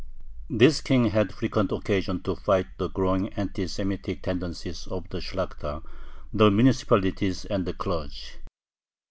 This King had frequent occasion to fight the growing anti Semitic tendencies of the Shlakhta, the municipalities, and the clergy.